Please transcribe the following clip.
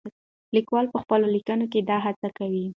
لیکوال په خپلو لیکنو کې دا هڅه کوي.